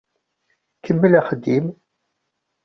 Kemmel axeddim!